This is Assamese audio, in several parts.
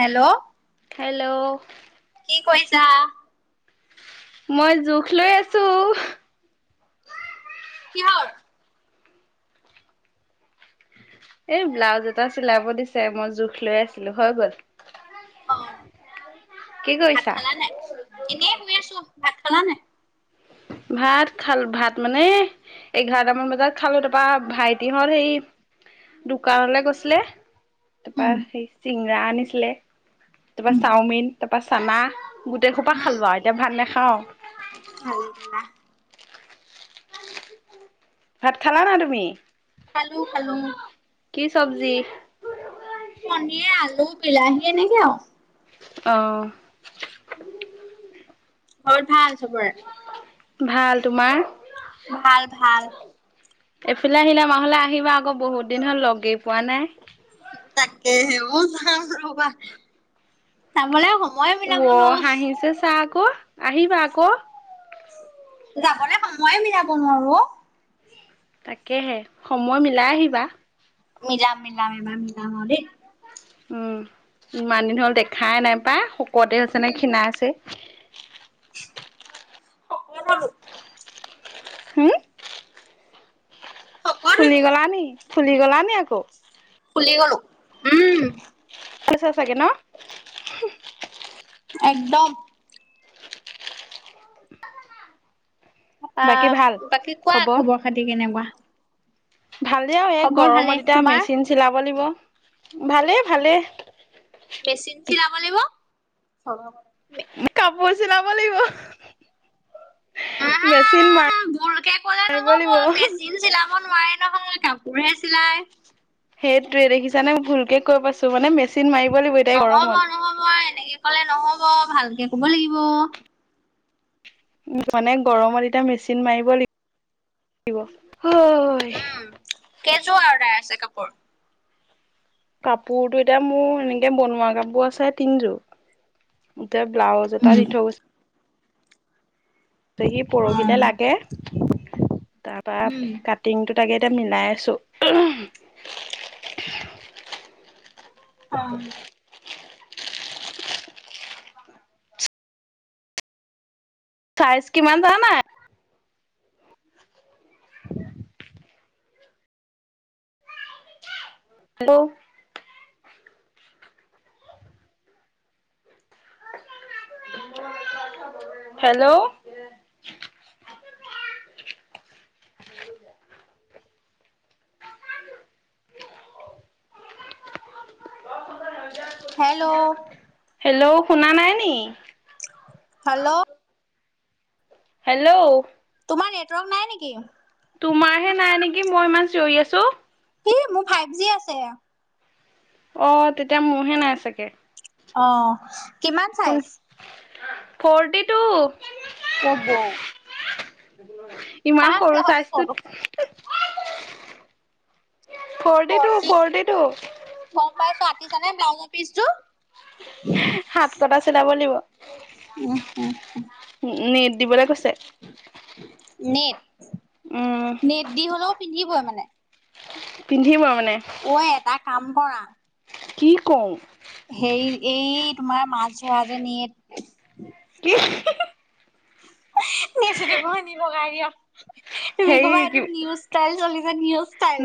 হেল্ল', হেল্ল' কি কৰিছা? মই জোখ লৈ আছোঁ। কিহৰ এই ব্লাউজ এটা চিলাব দিছে মই জোখ লৈ আছিলোঁ হৈ গ'ল। অঁ কি ভাত কৰিছা খালা নাই? এনে শুই আছোঁ। ভাত খালা নাই? ভাত খাল ভাত মানে এঘাৰটামান বজাত খালোঁ তাৰপা ভাইটিহঁত সেই দোকানলে গৈছিলে। তাৰপা উম সেই চিঙৰা আনিছিলে তাৰপা উম চাওমিন তাৰপা চানা গোটেই খোপা খালো আৰ এতিয়া ভাত নেখাওঁ। সেইয়া। ভাত খালা নাই তুমি? খালো খালো। কি চব্জি? পনীয়ে, আলু, বিলাহী এনেকে আওঁ। অ', ঘৰত ভাল চবৰে? ভাল তোমাৰ? ভাল -ভাল। এইফিলে আহিলে আমাৰ ফালে আহিবা আকৌ বহুত দিন হ'ল লগেই পোৱা নাই। তাকেহে অ, যাম ৰবা। চাবলে সময় [unintelligible] হাঁহিছে চাহ আক আহিবা আকৌ। যাবলে সময়ে মিলাব নোৱাৰো অ, তাকেহে সময় মিলাই আহিবা। মিলাম -মিলাম এইবাৰ মিলাম আও দে। উম, ইমান দিন হ'ল দেখাই নাই পায় শকতে হৈছে নে উম খীণাই ছেই। শকত হ'লো। হম? শকত ফুলি হলো। গলা নি-ফুলি গলা নি আকৌ? ফুলি গলোঁ উম। খাইছা চাগে ন'। একদম। আ বাকী ভাল বাকী কোৱা খবৰ খাতি কেনেকুৱা? ভালেই আৰু এই খবৰ ভালে। গৰমত এতিয়া তোমাৰ? মেচিন চিলাব লাগিব ভালে - ভালে। মেচিন চিলাব লাগিব হ। কাপোৰ চিলাব লাগিব আহা মেচিন মাৰ ভুলকে ক'লে মাৰিব নহ'ব লাগিব। মেচিন চিলাব নোৱাৰে নহয় কাপোৰহে চিলাই। সেইটোৱে দেখিছানে ভুলকে কৈ পাইছো মানে মেচিন মাৰিব লাগিব এতিয়া গৰমত নহব- নহব এনেকে ক'লে নহব ভালকে ক'ব লাগিব। উম, মানে গৰমত এতিয়া মেচিন মাৰিব লাগিব। [unintelligible] উম, কেইযোৰ অৰ্ডাৰ আছে কাপোৰ? কাপোৰতো এতিয়া মোৰ এনেকে বনোৱা কাপোৰ আছে তিনযোৰ এতিয়া ব্লাউজ দুটা উম দি থৈ গৈছে। তেহি পৰহিলে লাগে তাৰপা উম, কাট টিংটো তাকে এতিয়া মিলাই আছো। অ', চাইজ কিমান জানা? হেল্ল', হেল্ল', [unintelligible] হেল্ল', হেল্ল', শুনা নাই নি? হেল্ল', হেল্ল', তোমাৰ নেটৱৰ্ক নাই নেকি? তোমাৰ হে নাই নেকি মই ইমান চিঞৰি আছো। কি মোৰ ফাইভ জি আছে। অ, তেতিয়া মোৰহে নাই চাগে। অ', কিমান কোন চাইজ? ফৰটি টু [unintelligible] ইমান কাৰ সৰু ব্লাউজ চাইজটো ফৰ্টি টো - ফৰটি ফৰ্টি টো। গম পাইছো আটিছে নে ব্লাউজৰ পিচটো? হাত কটা চিলাব লাগিব, উম উম নেট দিবলৈ কৈছে। নেট উম - নেট দি হ'লেও পিন্ধিবই মানে? পিন্ধিবই আৰু মানে। অই এটা কাম কৰা। কি কও। হেৰি এই তোমাৰ মাছ ধৰা যে কি নেট [unintelligible] তুমি হেৰি কবা কি এইটো নিউ ষ্টাইল, চলিছে নিউ ষ্টাইল।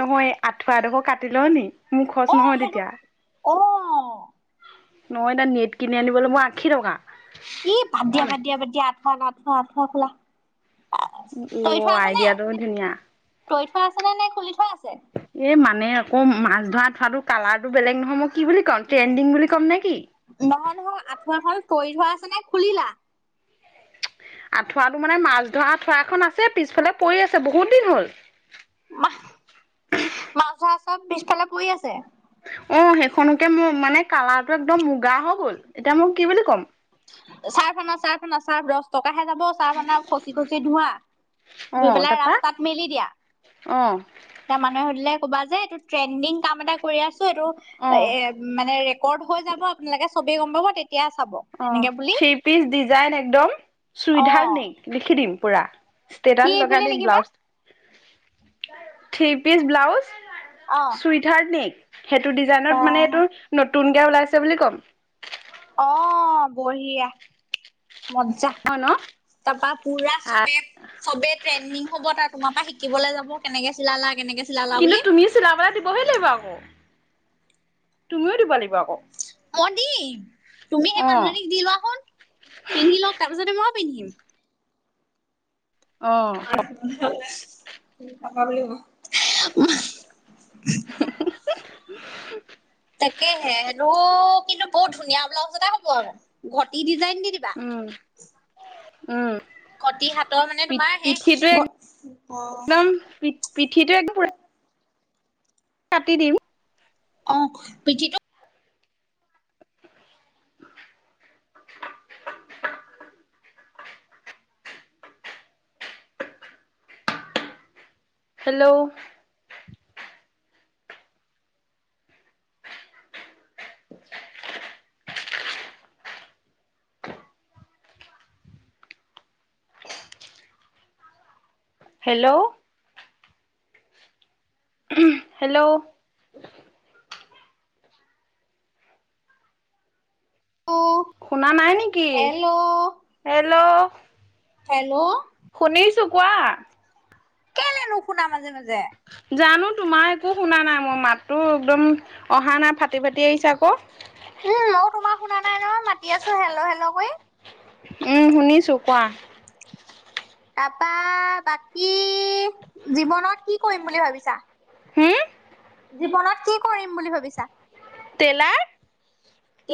আঠুৱাডোখৰ কাটি লওঁ নি মোৰ অ খৰচ নহয় সেইটো তেতিয়া। অ' নহয় এতিয়া নেট কিনি আনিবলৈ মোৰ আশী টকা। এ বাদ হয় দিয়া - নাই বাদ দিয়া - বাদ দিয়া আঠুৱা না আঠুৱা - আঠুৱা খোলা। ও, তৰি থোৱা আছে নে আইডিয়া টো ধুনীয়া। তৰি থোৱা আছে নে নাই খোলি থুৱা আছে? এ মানে আকৌ মাছ ধৰা। [unintelligible] কালাৰটো বেলেগ নহয় মই কি বুলি ক'ম ট্ৰেণ্ডিং বুলি ক'ম নে কি? নহয়-নহয় আঁঠুৱা খন তৰি থোৱা আছে নে খুলিলা? আঁঠুৱাটো মানে মাছ ধৰা আঁঠুৱা এখন আছে পিছফালে পৰি আছে বহুত দিন হ'ল। মাছ ধৰা চব পিছফালে পৰি আছে? অ', সেইখনকে মোৰ মানে কালাৰটো একদম মুগা হৈ গ'ল এতিয়া মোক কি বুলি ক'ম। ছাৰ্ফ আনা- ছাৰ্ফ আনা ছাৰ্ফ দছ টকাহে যাব ছাৰ্ফ আনা খচি-খচি ধোৱা। অ ধুই পেলাই তাৰপা ৰাস্তাত মেলি দিয়া। অ তাৰ মানুহে সুধিলে কবা যে এইটো ট্ৰেণ্ডিং কাম এটা কৰি আছো এইটো অ এ মানে ৰেকৰ্ড হৈ যাব আপোনালোকে ছবে গম পাব তেতিয়া চাব। অ', এনেকে বুলি থ্ৰী পিচ ডিজাইন একদম অ [unintelligible] লিখি দিম পুৰা। ষ্টেটাছ কি লগাই বুলি দিম লিখিবা ব্লাউজ থ্ৰী পিচ ব্লাউজ অ সুইটহার্ট নে সেইটো বা ডিজাইনত মানে এইটো নতুনকে ওলাইছে বুলি ক'ম। অ', বঢ়িয়া, মজ্জা। হয় ন? তাৰপা পুৰা চবে চববে ট্ৰেন্ডিং হব তাৰ তোমাৰ পৰা শিকিবলৈ যাব কেনেকে চিলালা কেনেকে চিলালা কিন্তু বুলি তুমিও চিলাবলৈ দিবহে লাগিব আকৌ। তুমিও দিব লাগিব আকৌ। মই দিম, তুমি সেই অ' মানুহজনীক দি লোৱা চুন পিন্ধি লওক তাৰ পিছতে মইও পিন্ধিম। অ'। [unintelligible] [unintelligible] তাকে হেনো কিন্তু বৰ ধুনীয়া ব্লাউজ এটা হব আকো, ঘটি ডিজাইন দি দিবা। উম'। উম, ঘটি হাতৰ মানে তোমাৰ সেই পি-পিঠিটো ঘ এক অ একদম পি পিঠিটো একদম পোৰা কাটি দিম। অ পিঠিটো হেল্ল' হেলো! হেলো! [unintelligible] শুনা নাই নেকি, হেল্ল' হেল্ল'? হেল্ল' শুনিছো, কোৱা কেলে নুশুনা মাজে-মাজে? জানো তোমাৰ একো শুনা নাই মই মাতটো একদম অহা নাই ফাটি-ফাটি আহিছে আকৌ। উম মও তোমাৰ শুনা নাই নহয় মাতি আছো হেল্ল হেল্ল কৰি। উম', শুনিছো কোৱা? তাপা বাকী জীৱনত কি কৰিম বুলি ভাবিছা? হুম? জীৱনত কি কৰিম বুলি ভাবিছা? টেইলাৰ,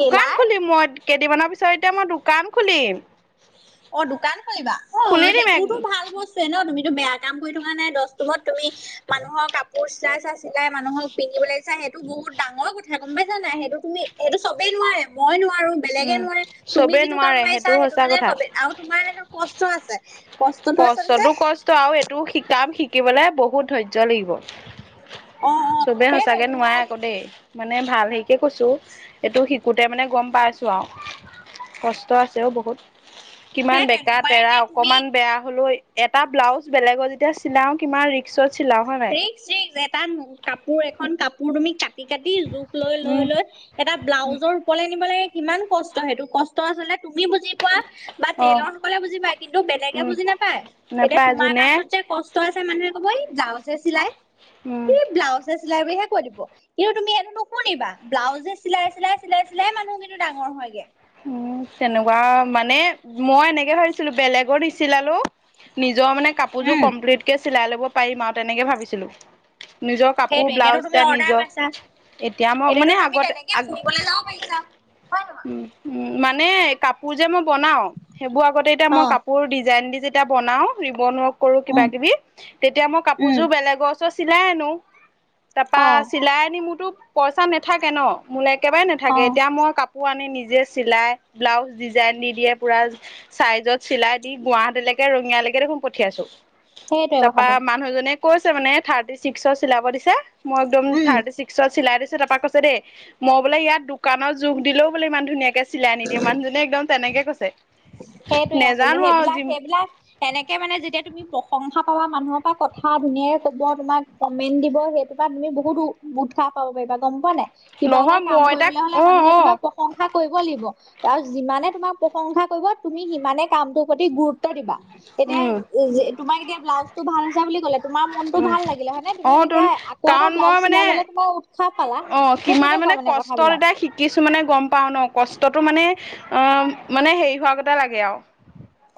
দোকান খুলিম মই কেইদিনমানৰ পিছত এতিয়া মই দোকান খুলিম। অ, দোকান খুলিবা? অ খুলি দিম এক সেইটোওতো ভাল ব স্তুৱে ন তুমিতো বেয়া কাম কৰি থকা নাই, দচতোমত তুমি মানুহৰ কাপোৰ চিলাই চা চিলাই মানুহক পিন্ধিবলৈ চাই সেইটো বহুত ডাঙৰ কথা গম পাইছা নাই, সেইটো তুমি সেইটো চবেই নোৱাৰে মই নোৱাৰো বেলেগে উম নোৱাৰে তুমি চবেই যিটো কাম নোৱাৰে পাইছা সেইটো সঁচা মানে কথা। চবেই আৰু তোমাৰ সেইটো কষ্ট আছে। কষ্টটো আচলতে কষ্টতো কষ্ট আৰু এইটো কাম শিকিবলে বহুত ধৈৰ্য্য লাগিব। অ চবে সেইটোৱে সঁচাকে নোৱাই তোমাৰ আকৌ দেই মানে ভাল হেৰিকে কৈছো এইটো শি কোতে মানে গম পাইছো আও কষ্ট আছে অ বহুত কিমান সেইটোৱে বেকা তোমাৰ তেৰা এতিয়া তুমি অকমান বেয়া, হলেও এটা ব্লাউজ বেলেগলে যে চিলাও কিমান ৰিক্সত চিলাও হয় নাই এই এটা কাপোৰ এখন কাপোৰ তুমি কাটি কাটি জোখ লৈ লৈ উম লৈ, এটা ব্লাউজৰ ৰুপলে নিব লাগে কিমান কষ্ট, সেইটো ক ষ্ট আচলতে তুমি বুজি পোৱা বা অ টেইলৰ সকলে বুজি পায় কিন্তু বেলেগে উম বুজি নাপায়। এতিয়া নেপায় তোমাৰ যোনে কামটোত যে কষ্ট আছে মানুহে কব এই ব্লাউজ হে চিলাই। উম। ব্লাউজহে চিলাই বুলিহে কৈ দিব। কিন্তু তুমি এইটো নুশুনিবা ব্লাউজে চিলাই চিলাই চিলাই চিলাই মানুহ কিন্তু ডাঙৰ হয়গে। উ তেনেকোৱা মানে মই এনেকে উম ভাবিছিলো বেলেগৰ নিছিলালো নিজৰ মানে কাপোৰযোৰ কমপ্লিটকে চিলাই ল'ব পাৰিম আও তেনেকে ভাবিছিলো। নিজৰ কাপোৰ সেইটোৱে এতিয়াতো ব্লাউজ তুমি তাৰ অৰ্ডাৰ নিজৰ পাইছা এতিয়া মই মানে এতিয়াতো তুমি আগতে তেনেকে আগ, ফুৰিবলৈ যাব পাৰিছা হয় নহয় উম। উম মানে কাপোৰ যে মই বনাও সেইবোৰ আগতে এতিয়া অ মই কা পোৰ ডিজাইন দি যেতিয়া বনাও ৰিবন ৱৰ্ক কৰো কিবা উম কিবি তেতিয়া মই কাপোৰ উম জোৰ বেলেগৰ, ত চিলাই আনো অ তাপা চিলাই আনি মোৰতো পইচা নাথাকে ন। মোলৈ একেবাৰে অ নাথাকে এতিয়া মই কাপোৰ আনি নিজে চিলাই ব্লাউজ ডিজাইন দি দিয়ে পুৰা, চাইজত চিলাই দি গুৱাহাটীলৈকে ৰঙিয়ালৈকে দেখোন পঠিয়াইছো। সেইটোৱে তাৰপা কথাটো মানুহ জনে কৈছে মানে থাৰ্টি ছিক্সৰ চিলাব দিছে মই একদম উম থাৰ্টি ছিক্স ত চিলাই দিছে তাৰপা কৈছে দেই মই বোলে ইয়াত দোকানৰ জোখ দিলেও বোলে ইমান ধুনীয়াকে চিলাই নিদিয়ে মানুহজনে একদম তেনেকে কৈছে। সেইটোৱে আচলতে নেজানো আৰু সেইবিলাক জিম সেইবিলাক এনেকে মানে যেতিয়া তুমি তুমি প্ৰশংসা পাবা মানুহৰ পৰা কথা ধুনীয়াকে ক'ব তোমাক কমেণ্ট দিব সেইটোৰ পৰা তুমি বহুত উ ৎসাহ পাব পাৰিবা গম পোৱা নাই কিবা এটা নহয় কাম মই তাক কৰিবলে হলে অ মানুহে অ তোমাক প্ৰ পশংসা কৰিব লাগিব তাৰ যিমানে তোমাৰ প্ৰশংসা কৰিব তুমি সিমানে কামটোৰ প্ৰতি গুৰুত্ব দিবা। এতিয়া উম তোমাৰ এতিয়া ব্লাউজটো ভাল হৈছে বুলি ক'লে, তোমাৰ মনটো উম ভাল লাগিলে হয়নে অ তুমি তেতিয়া তোন আগ- আকো কাৰণ এটা মই ব্লাউজ মানে চিলাবলে তোমাৰ উৎসাহ পালা সেই তেনেকোৱা মানে কথাবিলাক। কিছুমানে গম পাওঁ ন কষ্টটো মানে অ মানে হেৰি হোৱা গতে লাগে আও।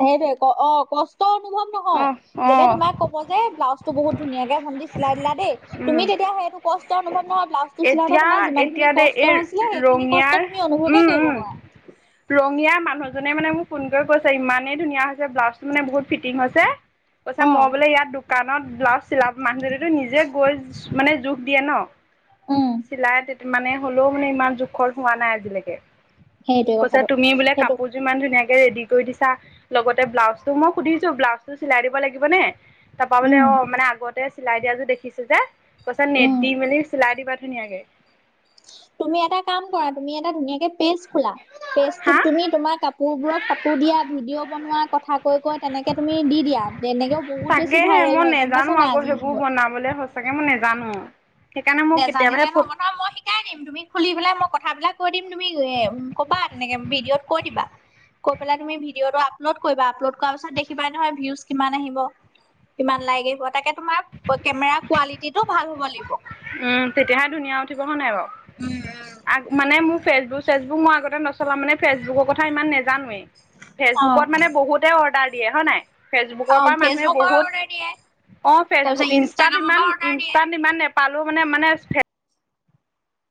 সেইটোৱে অ কষ্ট অনুভৱ অ নহয়। অ যেতিয়া তোমাক কব যে ব্লাউজ টো বহুত ধুনীয়াকে ভণ্টি চিলাই দিলা দেই, উম তুমি তেতিয়া সেইটো কষ্ট অনুভৱ নহয় ব্লাউজ টো চিলাওঁতে এতিয়া তোমাৰ যিমান এতিয়া খিনি দেই এই কষ্ট হৈছিলে সেইখিনি ৰঙিয়াৰ কষ্ট তুমি উম অনুভৱেই কৰিব উম নোৱাৰা। ৰঙীয়া মানুহজনে মানে মোক ফোন কৰি কৈছে ইমানেই ধুনীয়া হৈছে ব্লাউজটো মানে বহুত ফিটিং হৈছে। কৈছা অ মই বোলে ইয়াত দোকানত ব্লাউজ চিলাব মানুহজনীটো নিজে গৈ মানে জোখ দিয়ে ন। উম চিলাই মানে হ'লেও মানে ইমান জোখত হোৱা নাই আজিলেকে। সেইটোৱে কৈছা কথাটো তুমি বোলে সেইটো কাপোৰ ইমান ধুনীয়াকে ৰেডি কৰি দিছা লগতে ব্লাউজটো, মই সুধিছো ব্লাউজ টো চিলাই দিব লাগিব নে? তা পা বোলে উম অ আগতে চিলাই দিয়া যো দেখিছো যে কৈছ নেট উম দি মেলি চিলাই দিবা। ধুনীয়াকে তুমি এটা কাম কৰা তুমি এটা ধুনীয়াকে পেজ খোলা পেজটোত হা তুমি তোমাৰ কাপ- পুৰবোৰৰ ফটো দিয়া ভিডিঅ' বনোৱা কথা কৈ কৈ তেনেকে তুমি দি দিয়া, তেনেকেও বহুত বেছি তাকেহে ভাইৰেল মই হয় গম নেজানো পাইছা নাই আকৌ আজিৰ সেইবোৰ যুগত বনাবলে সঁচাকে মই নেজানো। সেইকাৰণে মোৰ কেতিয়াবাহে নেজানিলে নহ'ব ফোট- নহয় মই শিকাই দিম তুমি খুলি পেলাই মই কথাবিলাক কৈ দিম তুমি এ ক'বা তেনেকে ভিডিঅ'ত কৈ দিবা। কৈ পেলাই তুমি ভিঅ'টো আপলোড কৰিবা আপলোড কৰাৰ পিছত দেখিবাই নহয় ভিউজ কিমান আহিব। কিমান লাইক আহিব তাকে তোমাৰ কেমেৰা কোৱালিটি টো ভাল হব লাগিব। উম তেতিয়াহে ধুনীয়া উঠিব হয় নাই বাও। উম। আগ মানে মোৰ ফেচবুক চেচবুক মই আগতে নচলা মানে ফেচবুকৰ কথা ইমান নেজানোৱে। উম অ ফেচবুকত মানে বহুতে অৰ্ডাৰ দিয়ে হয় নাই অ ফেচবুকৰ পৰা মানুহে ফেচবুকৰ বহুত অৰ্ডাৰ দিয়ে অ ফেচবুক তাৰপিছত ইনষ্টাত ইনষ্টাগ্ৰামৰ ইমান পৰা অৰ্ডাৰ দিয়ে ইনষ্টাত ইমান নপালো মানে মানে ফেচ-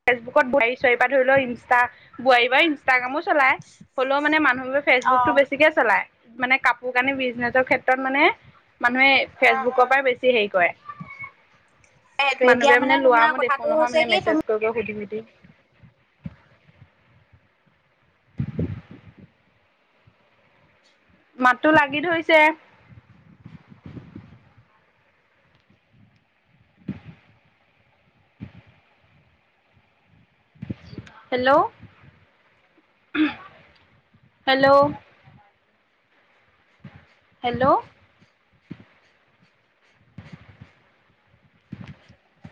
ফেচবুকত বোৱাৰাই চোৱাৰি পা ধৰি লও ইনষ্টা বোৱাৰিবাই ইন- ইষ্টাগ্ৰামো চলাই হ'লেও মানে মানুহে অ ফেচবুকতটো বেছিকে চলায়। মানে কাপোৰ কানি বিজনেচৰ ক্ষেত্ৰত মানে মানুহে অ', ফেচবুকৰ অ', পৰা বেছি হেৰি কৰে। সেইটো এতিয়া মানুহবোৰে মানে লোৱা তোমাৰ মই কথাটো দেখো নহয় হৈছে মানে কি তুমি মেছেজ কৈ কৈ সুধি সুধি। [inaudible] মাত তো লাগি ধৰিছে। Hello hello hello [inaudible]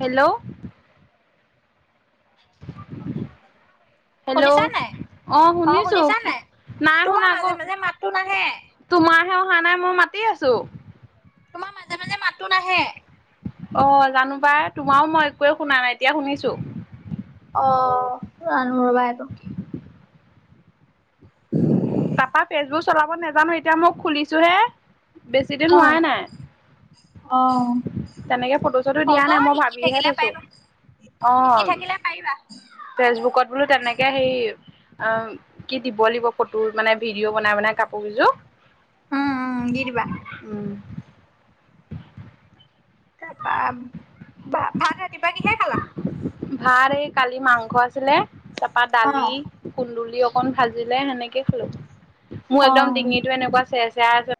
hello hello শুনিছা নাই আহ অ শুনিছো। শুনিছা কি, নাই নাই তোমাৰ শুনা আক, মাজে মাজে মাতটো নাহে তোমাৰহে অহা নাই মই মাতি আছো। তোমাৰ মাজে মাজে মাতো নাহে। অ জানো পায় তোমাৰও মই একোৱে শুনা নাই এতিয়া শুনিছো। অ জানো ৰ'বা এইটো কি। [inaudible] তা পা ফেচবুক চলাব নাজানো এতিয়া মই খুলিছো হে, বেছি দিন অ', হোৱাই নাই। অ। তেনেকে ফটো চটো দিয়া হ'ব নাই মই শিকি ভাবিহে থাকিলে থৈছো। পাৰিবা, শিকি অম থাকিলে পাৰিবা। ফেচবুকত বোলো তেনেকে সেই অ কি দিব লাগিব ফটো মানে ভিডিঅ' বনাই বনাই কাপোৰ কেইযোৰ। উম উম দি দিবা। উম তাৰপা ভ ভাত ৰাতিপুৱা কিহে খালা? ভাত এই কালি মাংস আছিলে তাপা দালি। অ', কুন্দুলি অকন ভাজিলে সেনেকে খালো, মোৰ একদম অ'। ডিঙিটো এনেকুৱা চে চেয়া আছে।